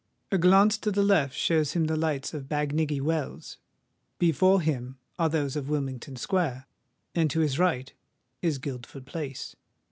A glance to the left shows him the lights of Bagnigge Wells: before him are those of Wilmington Square; and to his right is Guildford Place.